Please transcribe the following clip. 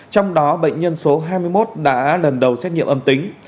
trong đó bệnh nhân số hai mươi một đã lần đầu xét nghiệm âm tính